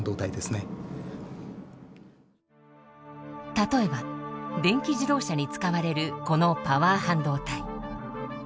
例えば電気自動車に使われるこのパワー半導体。